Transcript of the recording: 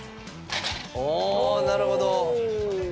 あなるほど。